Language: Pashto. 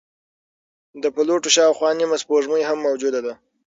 د پلوټو شاوخوا نیمه سپوږمۍ هم موجوده ده.